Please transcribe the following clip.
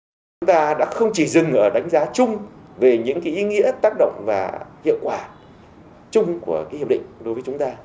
chúng ta đã không chỉ dừng ở đánh giá chung về những ý nghĩa tác động và hiệu quả chung của cái hiệp định đối với chúng ta